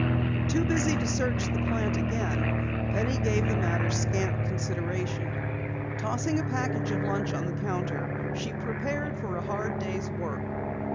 Too busy to search the plant again, Penny gave the matter scant consideration. Tossing a package of lunch on the counter, she prepared for a hard day's work.